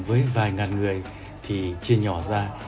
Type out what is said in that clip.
mới vài ngàn người thì chia nhỏ ra